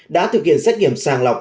đã thực hiện xét nghiệm sàng lọc